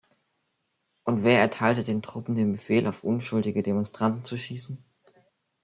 Und wer erteilte den Truppen den Befehl, auf unschuldige Demonstranten zu schießen?